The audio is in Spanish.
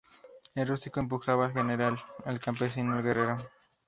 El rústico empujaba al general, el campesino al guerrero.